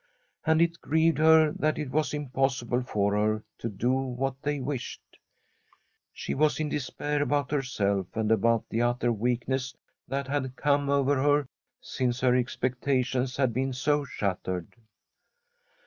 And it grieved her that it was impossible for her to do what they wished. She was in despair about herself and about the utter weakness that had come over her since her expectations had been so shattered.